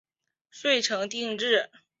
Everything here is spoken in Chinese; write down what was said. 遂成定制。